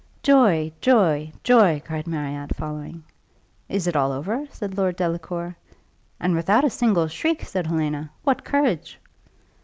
"Joy! joy! joy!" cried Marriott, following. "Is it all over?" said Lord Delacour. "And without a single shriek!" said Helena. "What courage!"